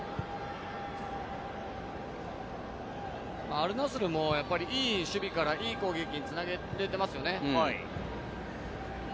アルナスルもやっぱりいい守備からいい攻撃に繋げていってますよね。